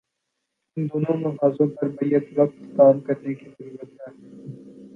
ان دونوں محاذوں پر بیک وقت کام کرنے کی ضرورت ہے۔